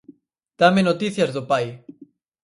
Dáme noticias do pai.